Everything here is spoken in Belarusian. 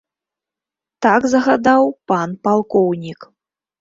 Так загадаў пан палкоўнік.